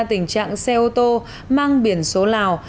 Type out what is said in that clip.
tình trạng xe ô tô mang biển số lào